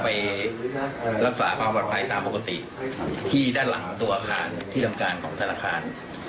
ไปรักษาความปลอดภัยตามปกติที่ด้านหลังตัวอาคารที่ทำการของธนาคาร